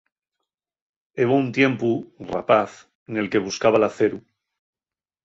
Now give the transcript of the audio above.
Hebo un tiempu, rapaz, nel que buscaba l'aceru.